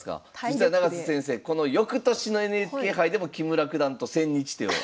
実は永瀬先生この翌年のＮＨＫ杯でも木村九段と千日手を。